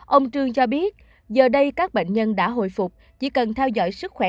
ông trương cho biết giờ đây các bệnh nhân đã hồi phục chỉ cần theo dõi sức khỏe